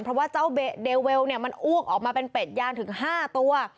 เพราะว่าเจ้าเดเวลมันอ้วกออกมาเป็นเป็ดยางถึง๕ตัว